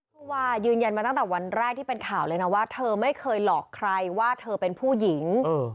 ผู้ว่ายืนยันมาตั้งแต่วันแรกที่เป็นข่าวเลยนะว่าเธอไม่เคยหลอกใครว่าเธอเป็นผู้หญิง